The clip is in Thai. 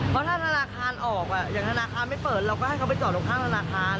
เพราะถ้าธนาคารออกอย่างธนาคารไม่เปิดเราก็ให้เขาไปจอดตรงข้างธนาคาร